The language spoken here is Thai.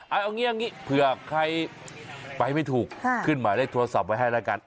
เอาอย่างนี้เผื่อใครไปไม่ถูกขึ้นหมายเลขโทรศัพท์ไว้ให้แล้วกัน